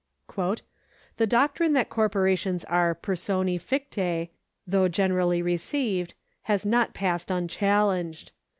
The doctrine that corporations are persotme fcfae, though generally received, has not passed unchallenged.